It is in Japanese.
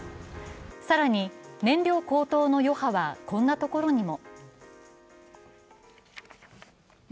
更に燃料高騰の余波は、こんなところにも。